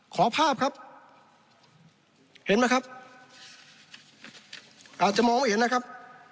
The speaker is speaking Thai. ขอภาพครับเห็นไหมครับอาจจะมองไม่เห็นนะครับ